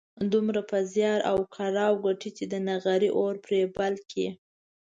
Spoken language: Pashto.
دومره په زيار او کړاو ګټي چې د نغري اور پرې بل کړي.